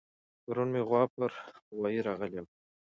پرون مې غوا پر غوايه راغلې وه